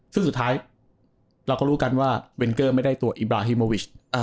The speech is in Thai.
ซึ่งสุดท้ายเราก็รู้กันว่าเวนเกอร์ไม่ได้ตัวอิบราฮิโมวิช